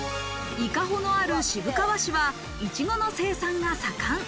伊香保のある渋川市は、いちごの生産が盛ん。